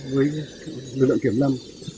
với lượng kiểm lâm